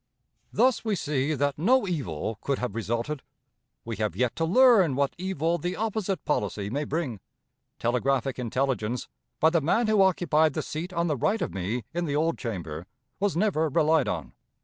Thus we see that no evil could have resulted. We have yet to learn what evil the opposite policy may bring. Telegraphic intelligence, by the man who occupied the seat on the right of me in the old Chamber, was never relied on.